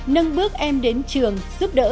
nâng bước em đến trường giúp đỡ